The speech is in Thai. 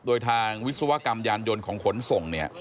โดยทางวิศวกรรมยานยนต์ของขนส่งเนี่ย